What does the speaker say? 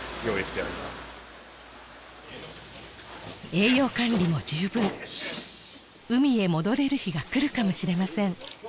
栄養管理も十分海へ戻れる日が来るかもしれません